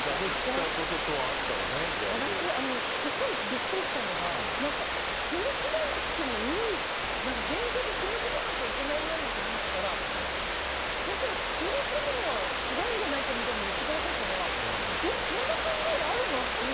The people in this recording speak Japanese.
私、すごいビックリしたのが詰め込まなくてもいい勉強って詰め込まなきゃいけないものだと思ってたら、先生は詰め込むのは違うんじゃないかみたいに言ってくださったのがえ、そんな考えがあるの？